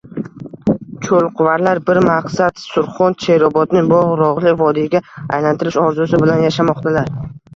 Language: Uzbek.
Choʻlquvarlar bir maqsad Surxon, Sherobodni bogʻ-rogʻli vodiyga aylantirish orzusi bilan yashamoqdalar